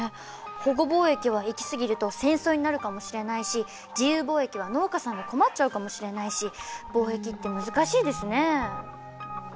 保護貿易は行きすぎると戦争になるかもしれないし自由貿易は農家さんが困っちゃうかもしれないし貿易って難しいですね。